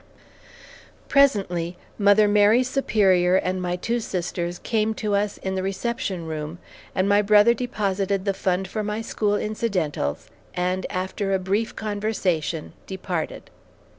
CATHERINE'S CONVENT] Presently Mother Mary Superior and my two sisters came to us in the reception room and my brother deposited the fund for my school incidentals, and after a brief conversation, departed.